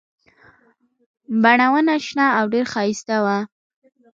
بڼونه شنه او ډېر ښایسته وو.